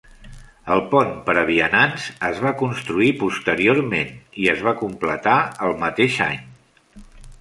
El pont per a vianants es va construir posteriorment i es va completar el mateix any.